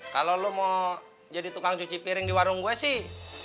kalau lo mau jadi tukang cuci piring di warung gue sih